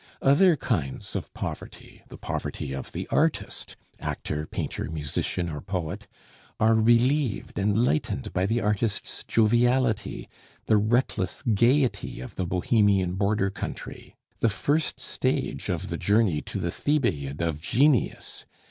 Other kinds of poverty, the poverty of the artist actor, painter, musician, or poet are relieved and lightened by the artist's joviality, the reckless gaiety of the Bohemian border country the first stage of the journey to the Thebaid of genius.